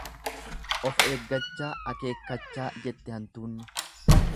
Of eeggachaa, akeekkachaa jette hantuunni.